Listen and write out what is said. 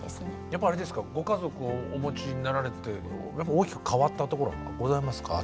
やっぱりあれですかご家族をお持ちになられて大きく変わったところはございますか？